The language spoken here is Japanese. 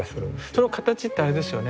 その形ってあれですよね。